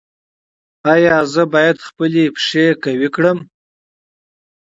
ایا زه باید خپل پښې قوي کړم؟